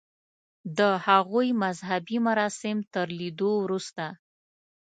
د هغوی مذهبي مراسم تر لیدو وروسته.